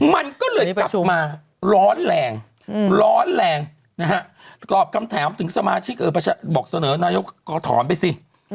มันก็เลยกลับมาร้อนแรงร้อนแรงนะฮะตอบคำถามถึงสมาชิกบอกเสนอนายกก็ถอนไปสิ